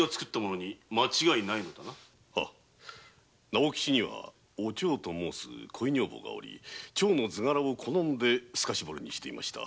直吉には「お蝶」という恋女房がおり蝶の図柄を好んで透かし彫りにしていました。